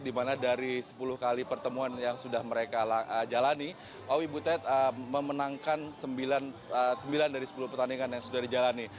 dimana dari sepuluh kali pertemuan yang sudah mereka jalani owi butet memenangkan sembilan dari sepuluh pertandingan yang sudah dijalani